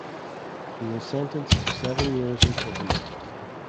He was sentenced to seven years imprisonment.